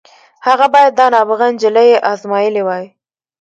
هغه بايد دا نابغه نجلۍ ازمايلې وای.